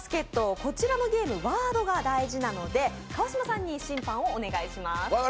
こちらのゲーム、ワードが大事なので川島さんに審判をお願いします。